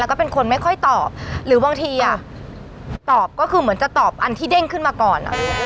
แล้วก็เป็นคนไม่ค่อยตอบหรือบางทีตอบก็คือเหมือนจะตอบอันที่เด้งขึ้นมาก่อน